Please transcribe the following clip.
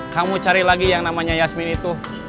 kamu cari lagi yang namanya yasmin itu